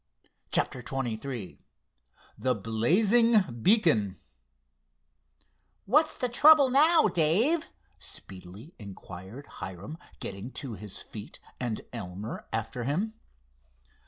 CHAPTER XXIII THE BLAZING BEACON "What's the trouble now, Dave?" speedily inquired Hiram, getting to his feet and Elmer after him.